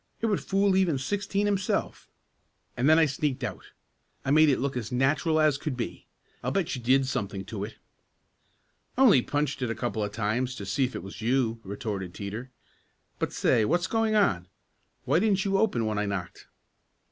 It would fool even Sixteen himself; and then I sneaked out. I made it look as natural as could be. I'll bet you did something to it." "Only punched it a couple of times to see if it was you," retorted Teeter. "But say, what's going on? Why didn't you open when I knocked?"